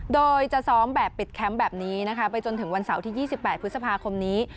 โดยจะซ้อมแบบปิดแคมป์แบบนี้นะคะไปจนถึงวันเสาร์ที่๒๘พฤษภาคมนี้